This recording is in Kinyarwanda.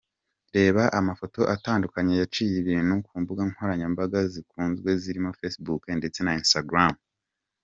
Reba amafoto atandukanye yaciye ibintu ku mbuga nkoranyambaga zikunzwe zirimo Facebook ndetse na Instagram.